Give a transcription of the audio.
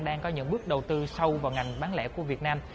đang có những bước đầu tư sâu vào ngành bán lẻ của việt nam